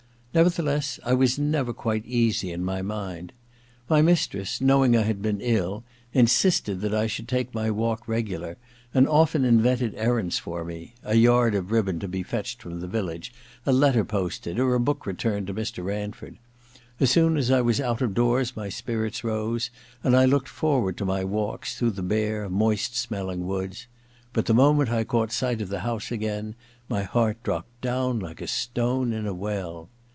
Nevertheless, I was never quite easy in my mind. My mistress, knowing I had been ill, insisted that I should take my walk regular, and often invented errands for me :— a yard of ribbon to be fetched from the village, a letter posted, or a book returned to Mr. Ranford. As soon as 134 THE LADrS MAID'S BELL ii I was out of doors my spirits rose, and I looked forward to my walks through the bare moist smelling woods ; but the moment I caught sight of the house again my heart dropped down Uke a stone in a well.